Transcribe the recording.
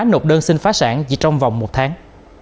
nộp đơn xin phá sản chỉ trong vòng một tháng